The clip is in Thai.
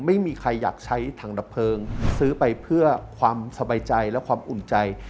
ไม่มีใครอยากใช้ถังดับเพลิงซื้อไปเพื่อความสบายใจและความอุ่นใจ